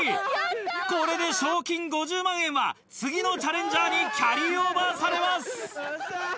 これで賞金５０万円は次のチャレンジャーにキャリーオーバーされます。